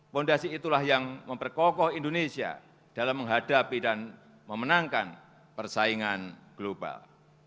fondasi itulah yang memperkokoh indonesia dalam menghadapi dan memenangkan persaingan global